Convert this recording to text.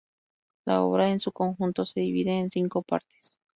La obra en su conjunto se divide en cinco partes.